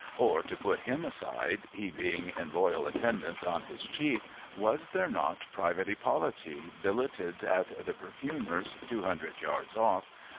Or, to put him aside, he being in loyal attendance on his Chief, was there not Private Hyppolite, billeted at the Perfumer's two hundred yards oft^.